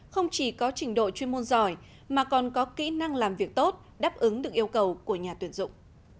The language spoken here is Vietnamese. không chỉ có trình độ chuyên môn giỏi mà còn có kỹ năng làm việc tốt đáp ứng được yêu cầu của nhà tuyển dụng